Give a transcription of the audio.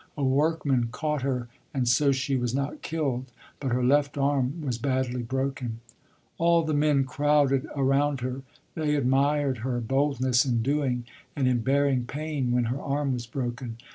A workman caught her and so she was not killed, but her left arm was badly broken. All the men crowded around her. They admired her boldness in doing and in bearing pain when her arm was broken.